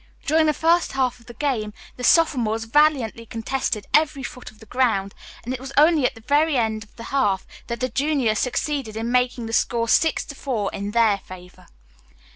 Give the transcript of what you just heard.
During the first half of the game the sophomores valiantly contested every foot of the ground, and it was only at the very end of the half that the juniors succeeded in making the score six to four in their favor.